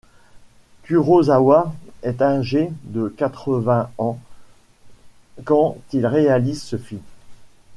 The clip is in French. Kurosawa est âgé de quatre-vingt ans quand il réalise ce film.